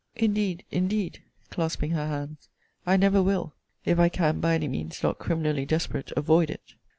Indeed, indeed, clasping her hands, I never will, if I can, by any means not criminally desperate, avoid it.